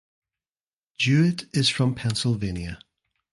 Jewitt is from Pennsylvania.